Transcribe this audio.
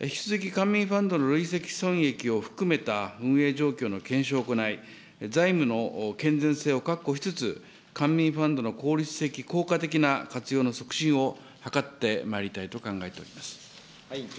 引き続き官民ファンドの累積損益を含めた運営状況の検証を行い、財務の健全性を確保しつつ、官民ファンドの効率的、効果的な活用の促進を図ってまいりたいと考えております。